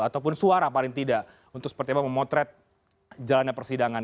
ataupun suara paling tidak untuk seperti apa memotret jalannya persidangan